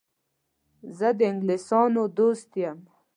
زه د انګلیسیانو دوست یم.